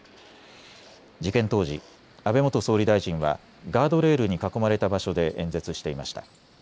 事件当時、安倍元総理大臣はガードレールに囲まれた場所で演説していました。